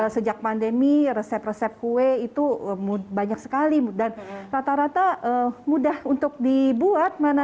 sejak pandemi resep resep kue itu banyak sekali dan rata rata mudah untuk dibuat mana